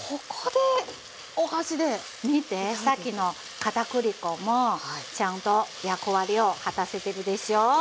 見てさっきの片栗粉もちゃんと役割を果たせてるでしょう？